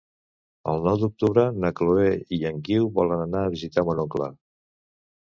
El nou d'octubre na Chloé i en Guiu volen anar a visitar mon oncle.